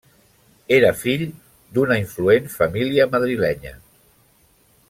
Era fill d'una influent família madrilenya.